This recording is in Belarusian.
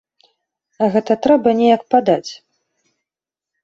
Гэта трэба неяк падаць.